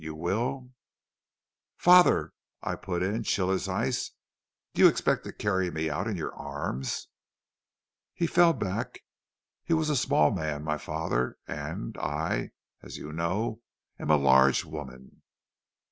You will ' "'Father,' I put in, chill as ice, 'do you expect to carry me out in your arms?' "He fell back; he was a small man, my father, and I, as you know, am large for a woman.